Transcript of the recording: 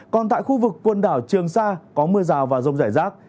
còn tại khu vực quần đảo trường sa có mưa rào và rông rải rác